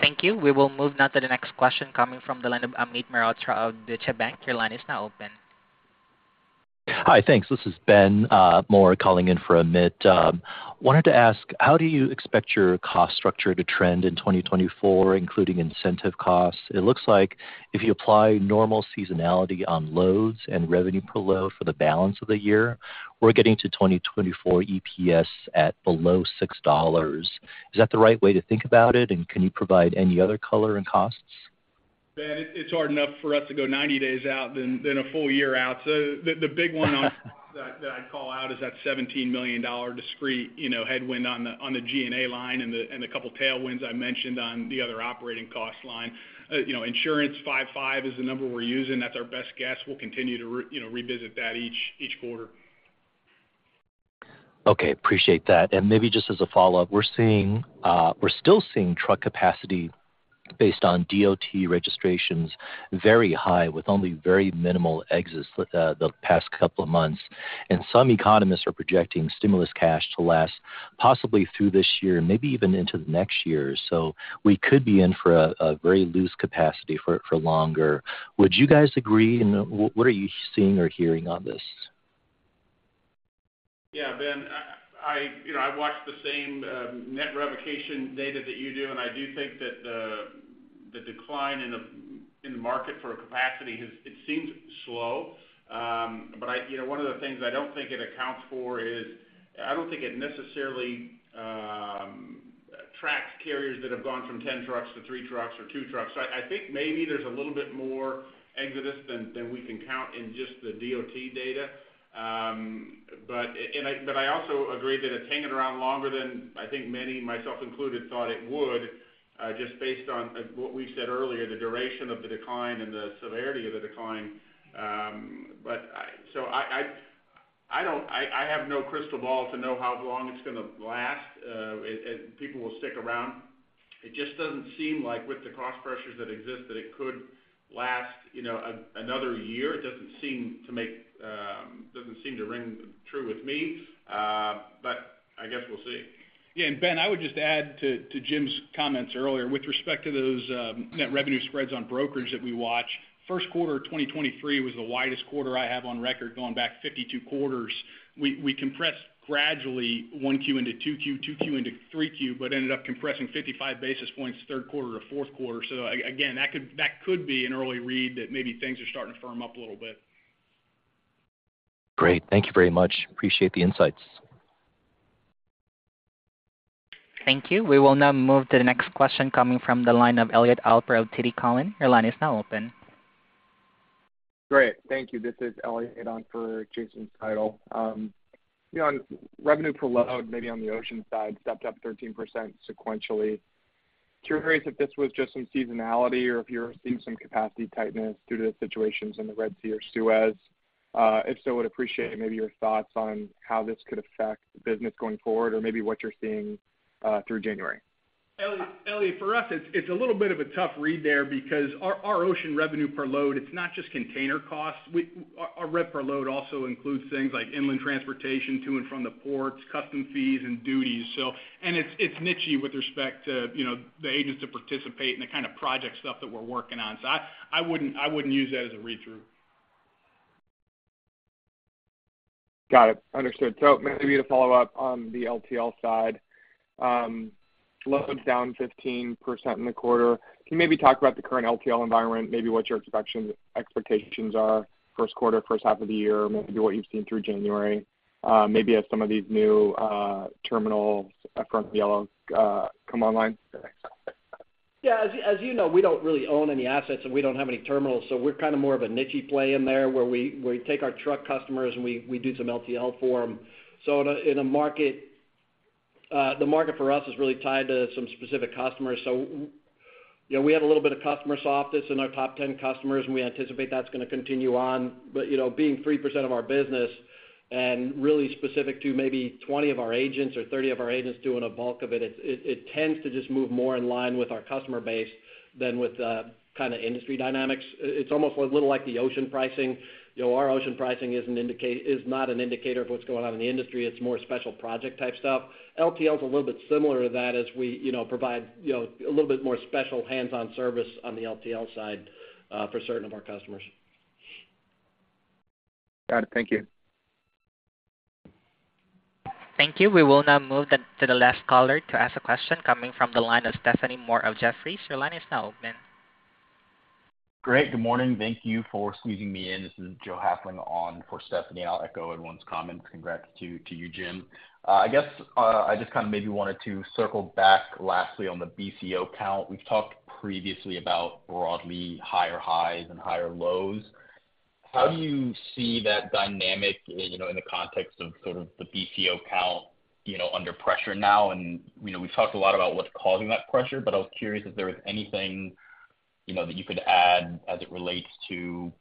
Thank you. We will move now to the next question coming from the line of Amit Mehrotra of Deutsche Bank. Your line is now open. Hi, thanks. This is Ben Mohr, calling in for Amit. Wanted to ask, how do you expect your cost structure to trend in 2024, including incentive costs? It looks like if you apply normal seasonality on loads and revenue per load for the balance of the year, we're getting to 2024 EPS at below $6. Is that the right way to think about it? And can you provide any other color and costs? Ben, it's hard enough for us to go 90 days out than a full year out. So the big one that I'd call out is that $17 million discrete, you know, headwind on the G&A line and the couple tailwinds I mentioned on the other operating cost line. You know, insurance, 5.5 is the number we're using. That's our best guess. We'll continue to, you know, revisit that each quarter. Okay, appreciate that. And maybe just as a follow-up, we're seeing, we're still seeing truck capacity based on DOT registrations, very high, with only very minimal exits, the past couple of months. And some economists are projecting stimulus cash to last possibly through this year, maybe even into the next year. So we could be in for a, a very loose capacity for, for longer. Would you guys agree, and what are you seeing or hearing on this? Yeah, Ben, you know, I've watched the same net revocation data that you do, and I do think that the decline in the market for capacity has... It seems slow, but you know, one of the things I don't think it accounts for is, I don't think it necessarily tracks carriers that have gone from 10 trucks to three trucks or two trucks. I think maybe there's a little bit more exodus than we can count in just the DOT data. But I also agree that it's hanging around longer than I think many, myself included, thought it would, just based on what we said earlier, the duration of the decline and the severity of the decline. But I... So I don't have no crystal ball to know how long it's going to last, and people will stick around. It just doesn't seem like with the cost pressures that exist, that it could last, you know, another year. It doesn't seem to make, doesn't seem to ring true with me, but I guess we'll see. Yeah, and Ben, I would just add to Jim's comments earlier, with respect to those net revenue spreads on brokerage that we watch, first quarter of 2023 was the widest quarter I have on record, going back 52 quarters. We compressed gradually 1Q into 2Q, 2Q into 3Q, but ended up compressing 55 basis points, third quarter to fourth quarter. Again, that could be an early read that maybe things are starting to firm up a little bit. Great. Thank you very much. Appreciate the insights. Thank you. We will now move to the next question coming from the line of Elliot Alper of TD Cowen. Your line is now open. Great. Thank you. This is Elliot on for Jason Seidel. You know, on revenue per load, maybe on the ocean side, stepped up 13% sequentially.... curious if this was just some seasonality or if you're seeing some capacity tightness due to the situations in the Red Sea or Suez? If so, would appreciate maybe your thoughts on how this could affect the business going forward or maybe what you're seeing through January. Elliot, for us, it's a little bit of a tough read there because our ocean revenue per load, it's not just container costs. Our rev per load also includes things like inland transportation to and from the ports, customs fees, and duties. So, and it's nichey with respect to, you know, the agents that participate and the kind of project stuff that we're working on. So I wouldn't use that as a read-through. Got it. Understood. So maybe to follow up on the LTL side, loads down 15% in the quarter. Can you maybe talk about the current LTL environment, maybe what your expectations are, first quarter, first half of the year, maybe what you've seen through January, maybe as some of these new terminals from Yellow come online? Yeah. As you, as you know, we don't really own any assets, and we don't have any terminals, so we're kind of more of a nichey play in there, where we, we take our truck customers, and we, we do some LTL for them. So in a, in a market, the market for us is really tied to some specific customers. So, you know, we have a little bit of customer softness in our top 10 customers, and we anticipate that's going to continue on. But, you know, being 3% of our business and really specific to maybe 20 of our agents or 30 of our agents doing a bulk of it, it, it, it tends to just move more in line with our customer base than with, kind of industry dynamics. It, it's almost a little like the ocean pricing. You know, our ocean pricing is not an indicator of what's going on in the industry. It's more special project-type stuff. LTL is a little bit similar to that as we, you know, provide, you know, a little bit more special hands-on service on the LTL side for certain of our customers. Got it. Thank you. Thank you. We will now move to the last caller to ask a question, coming from the line of Stephanie Moore of Jefferies. Your line is now open. Great. Good morning. Thank you for squeezing me in. This is Joe Hafling on for Stephanie, and I'll echo everyone's comments. Congrats to you, Jim. I guess I just kind of maybe wanted to circle back lastly on the BCO count. We've talked previously about broadly higher highs and higher lows. How do you see that dynamic, you know, in the context of sort of the BCO count, you know, under pressure now? And, you know, we've talked a lot about what's causing that pressure, but I was curious if there was anything, you know, that you could add as it relates to,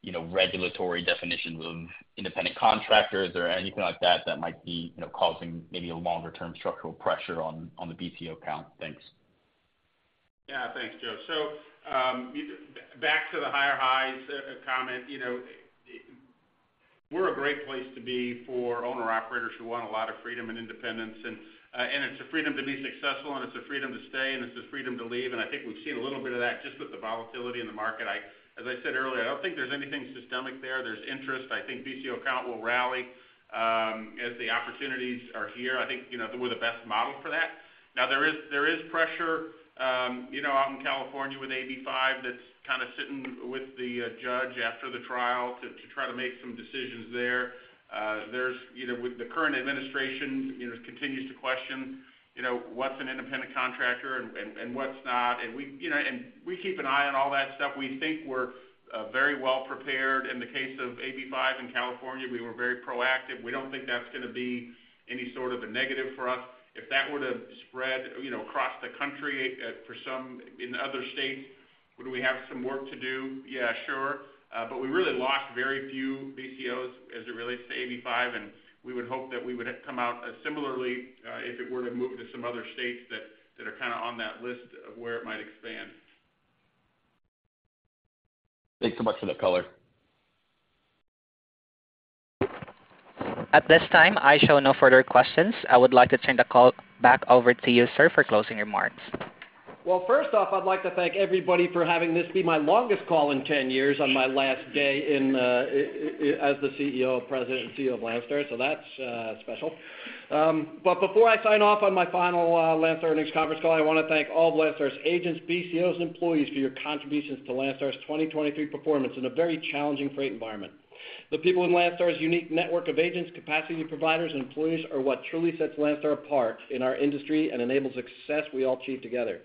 you know, regulatory definitions of independent contractors or anything like that, that might be, you know, causing maybe a longer-term structural pressure on the BCO count. Thanks. Yeah. Thanks, Joe. So, back to the higher highs, comment, you know, we're a great place to be for owner-operators who want a lot of freedom and independence, and, and it's a freedom to be successful, and it's a freedom to stay, and it's a freedom to leave, and I think we've seen a little bit of that just with the volatility in the market. As I said earlier, I don't think there's anything systemic there. There's interest. I think BCO count will rally, as the opportunities are here. I think, you know, we're the best model for that. Now, there is, there is pressure, you know, out in California with AB5 that's kind of sitting with the, judge after the trial to, to try to make some decisions there. There's, you know, with the current administration, you know, continues to question, you know, what's an independent contractor and what's not. And we, you know, keep an eye on all that stuff. We think we're very well prepared. In the case of AB5 in California, we were very proactive. We don't think that's going to be any sort of a negative for us. If that were to spread, you know, across the country, for some in other states, would we have some work to do? Yeah, sure. But we really lost very few BCOs as it relates to AB5, and we would hope that we would come out similarly, if it were to move to some other states that are kind of on that list of where it might expand. Thanks so much for the color. At this time, I show no further questions. I would like to turn the call back over to you, sir, for closing remarks. Well, first off, I'd like to thank everybody for having this be my longest call in 10 years on my last day in as the CEO, President and CEO of Landstar, so that's special. But before I sign off on my final Landstar earnings conference call, I want to thank all of Landstar's agents, BCOs, employees for your contributions to Landstar's 2023 performance in a very challenging freight environment. The people in Landstar's unique network of agents, capacity providers, and employees are what truly sets Landstar apart in our industry and enables the success we all achieve together.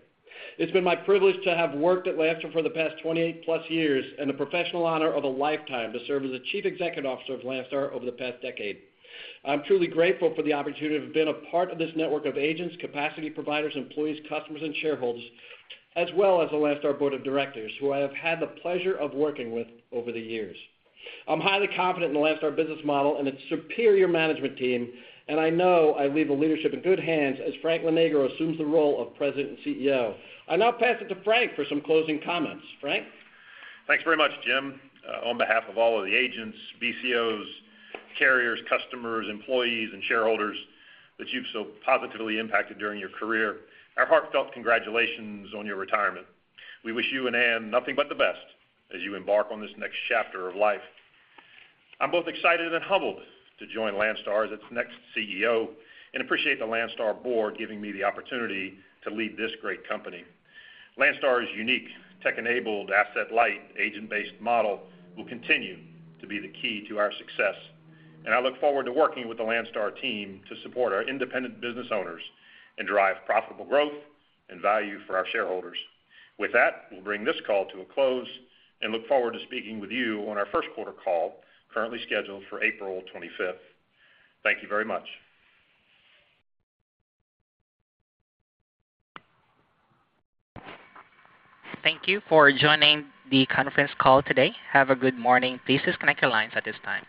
It's been my privilege to have worked at Landstar for the past 28+ years, and a professional honor of a lifetime to serve as the Chief Executive Officer of Landstar over the past decade. I'm truly grateful for the opportunity to have been a part of this network of agents, capacity providers, employees, customers, and shareholders, as well as the Landstar Board of Directors, who I have had the pleasure of working with over the years. I'm highly confident in the Landstar business model and its superior management team, and I know I leave the leadership in good hands as Frank Lonegro assumes the role of President and CEO. I now pass it to Frank for some closing comments. Frank? Thanks very much, Jim. On behalf of all of the agents, BCOs, carriers, customers, employees, and shareholders that you've so positively impacted during your career, our heartfelt congratulations on your retirement. We wish you and Anne nothing but the best as you embark on this next chapter of life. I'm both excited and humbled to join Landstar as its next CEO and appreciate the Landstar board giving me the opportunity to lead this great company. Landstar's unique, tech-enabled, asset-light, agent-based model will continue to be the key to our success, and I look forward to working with the Landstar team to support our independent business owners and drive profitable growth and value for our shareholders. With that, we'll bring this call to a close and look forward to speaking with you on our first quarter call, currently scheduled for April 25th. Thank you very much. Thank you for joining the conference call today. Have a good morning. Please disconnect your lines at this time.